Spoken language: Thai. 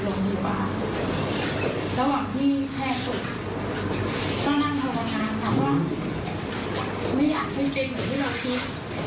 เราก็ชอบสำคัญตอนนั้นเราไปกับรูปสอบคน